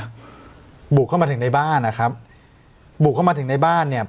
บุกเข้ามาถึงในบ้านนะครับบุกเข้ามาถึงในบ้านเนี่ย